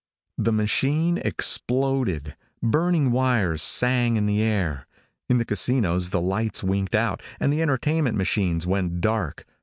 The machine exploded. Burning wires sang in the air. In the casinos the lights winked out, and the entertainment machines went dark.